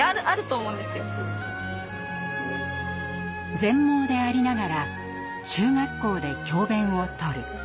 全盲でありながら中学校で教べんをとる。